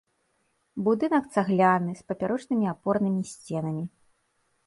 Будынак цагляны, з папярочнымі апорнымі сценамі.